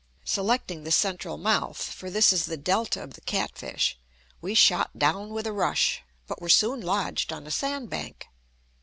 Selecting the central mouth, for this is the delta of the Catfish, we shot down with a rush, but were soon lodged on a sandbank.